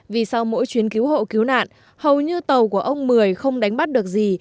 vì sau mỗi chuyến cứu hộ cứu nạn hầu như tàu của ông mười không đánh bắt được gì